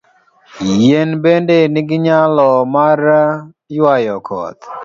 Yien bende nigi nyalo mar ywayo koth.